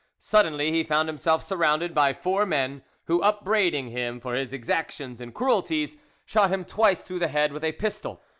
Suddenly he found himself surrounded by four men, who, upbraiding him for his exactions and cruelties, shot him twice through the head with a pistol.